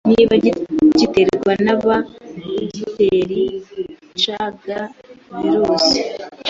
niba ziterwa na bagiteri cg virusi.